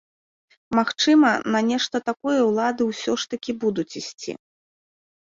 Магчыма, на нешта такое ўлады ўсё ж такі будуць ісці.